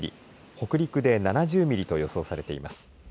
北陸で７０ミリと予想されています。